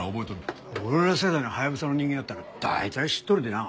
俺ら世代のハヤブサの人間やったら大体知っとるでな。